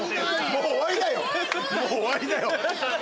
もう終わりだよ。